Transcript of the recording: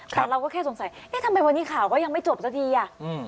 แต่เราก็แค่สงสัยเอ๊ะทำไมวันนี้ข่าวก็ยังไม่จบสักทีอ่ะ